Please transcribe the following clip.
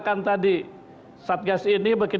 memantau mendorong proses penyelesaian